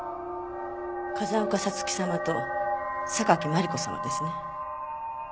風丘早月様と榊マリコ様ですね。